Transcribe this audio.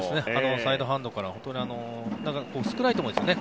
サイドハンドから少ないと思いますね